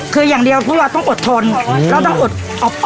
ครับ